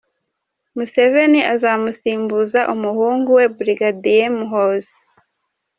Museveni azamusimbuza umuhungu we Brigadier Muhoozi.